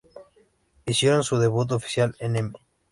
Hicieron su debut oficial en "M!